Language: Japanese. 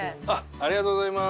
ありがとうございます！